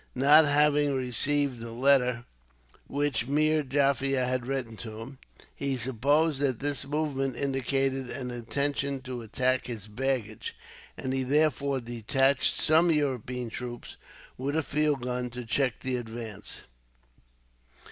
Not having received the letter which Meer Jaffier had written to him, he supposed that this movement indicated an intention to attack his baggage; and he therefore detached some European troops, with a field gun, to check the advance.